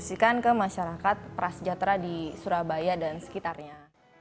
kita juga berkontribusi ke masyarakat prasejahtera di surabaya dan sekitarnya